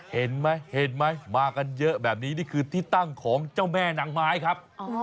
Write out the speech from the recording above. เห็นไหมเห็นไหมมากันเยอะแบบนี้นี่คือที่ตั้งของเจ้าแม่นางไม้ครับ